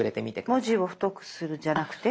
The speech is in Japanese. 「文字を太くする」じゃなくて？